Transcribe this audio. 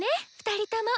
２人とも！